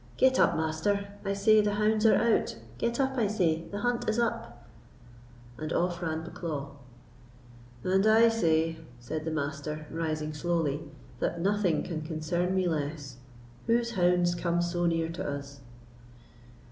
Get up, Master; I say the hounds are out—get up, I say; the hunt is up." And off ran Bucklaw. "And I say," said the Master, rising slowly, "that nothing can concern me less. Whose hounds come so near to us?"